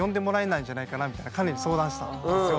カネに相談したんですよ。